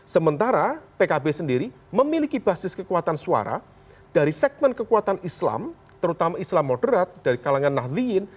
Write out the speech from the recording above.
sementara pkb sendiri memiliki basis kekuatan suara dari segmen kekuatan islam terutama islam moderat dari kalangan nahdliyin